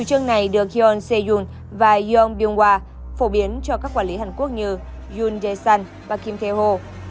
dân này được hyun se yoon và yeon byung hwa phổ biến cho các quản lý hàn quốc như yoon dae sun và kim tae ho